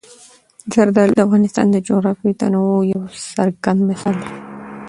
زردالو د افغانستان د جغرافیوي تنوع یو څرګند مثال دی.